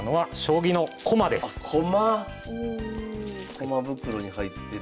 駒袋に入ってる。